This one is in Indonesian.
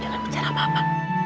jangan bicara apa apa